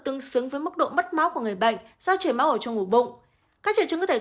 tương xứng với mức độ mất máu của người bệnh do trẻ máu ở trong ngủ bụng các triệu chứng có thể